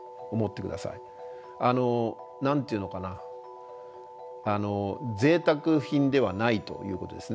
何て言うのかなぜいたく品ではないということですね。